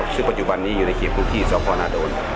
ซึ่งปัจจุบันนี้อยู่ในเขตพื้นที่สพนาโดน